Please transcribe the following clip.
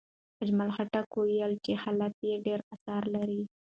اجمل خټک وویل چې حالات ډېر اثر لري.